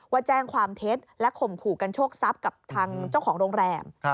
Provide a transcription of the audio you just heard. ว่าแจ้งความเท็จและข่มขู่กันโชคทรัพย์กับทางเจ้าของโรงแรม